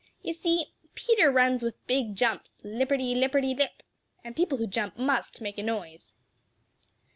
You see Peter runs with big jumps, lipperty lipperty lip, and people who jump must make a noise.